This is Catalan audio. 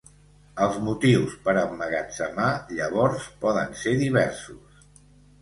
Els motius per emmagatzemar llavors poden ser diversos.